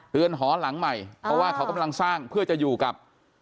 หอหลังใหม่เพราะว่าเขากำลังสร้างเพื่อจะอยู่กับ